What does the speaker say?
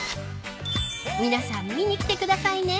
［皆さん見に来てくださいね］